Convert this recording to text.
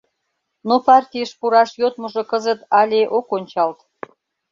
Но партийыш пураш йодмыжо кызыт але ок ончалт...